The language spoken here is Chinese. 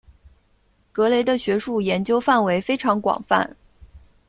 格雷的学术研究范围非常广泛。